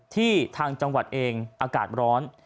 ทางจังหวัดเองอากาศร้อน